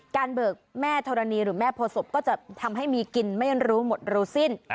เบิกแม่ธรณีหรือแม่โพศพก็จะทำให้มีกินไม่รู้หมดรู้สิ้น